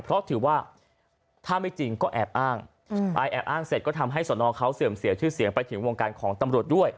เพราะถือว่าถ้าไม่จริงก็แอบอ้างอายแอบอ้างเสร็จก็ทำให้สนเขาเสื่อมเสียชื่อเสียงไปถึงวงการของตำรวจด้วย